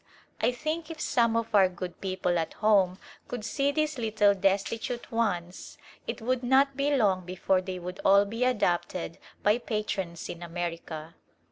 I think if some of our good people at home could see these little destitute ones it would not be long before they would all be adopted by patrons in America.